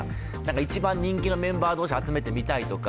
一番人気のメンバー同士を集めてみたいとか。